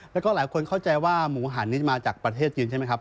แล้วก็หลายคนเข้าใจว่าหมูหันนี้มาจากประเทศจีนใช่ไหมครับ